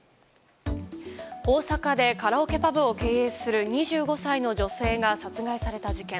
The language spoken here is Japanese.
大阪でカラオケパブを経営する２５歳の女性が殺害された事件。